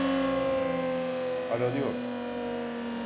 Aranıyor.